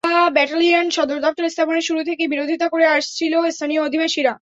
Battalion সদর দপ্তর স্থাপনের শুরু থেকেই বিরোধিতা করে আসছিল স্থানীয় আদিবাসীরা।